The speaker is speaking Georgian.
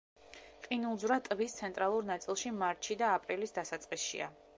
ყინულძვრა ტბის ცენტრალურ ნაწილში მარტში და აპრილის დასაწყისშია.